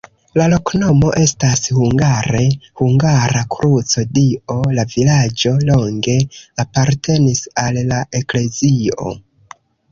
La loknomo estas hungare: hungara-kruco-Dio, la vilaĝo longe apartenis al la eklezio.